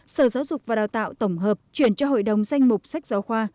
sở giáo dục và đào tạo tổng hợp chuyển cho hội đồng danh mục sách giáo khoa